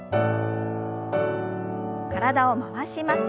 体を回します。